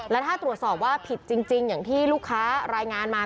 และถ้าตรวจสอบว่าผิดจริงอย่างที่ลูกค้ารายงานมา